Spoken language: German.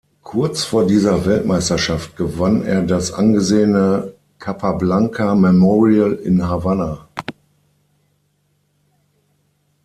Kurz vor dieser Weltmeisterschaft gewann er das angesehene Capablanca-Memorial in Havanna.